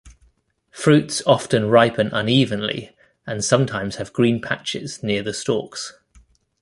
Fruits often ripen unevenly and sometimes have green patches near the stalks.